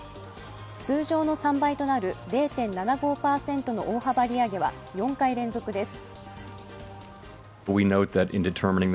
通常の３倍となる０．７５％の大幅利上げは、４回連続です。